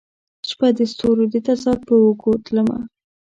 شپه د ستورو د تضاد په اوږو تلمه